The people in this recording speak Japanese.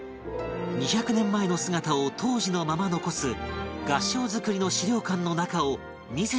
２００年前の姿を当時のまま残す合掌造りの資料館の中を見せていただく事に